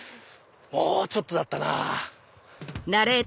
もうちょっとだったなぁ。